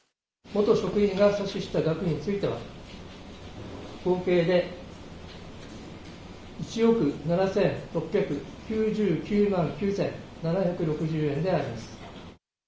元職員が詐取した額については、合計で１億７６９９万９７６０円であります。